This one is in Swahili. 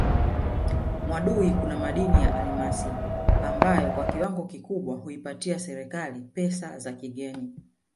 Mwadui kuna madini ya almasi ambayo kwa kiwango kikubwa huipatia serikali pesa za kigeni